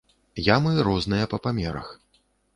Ямы розныя па памерах.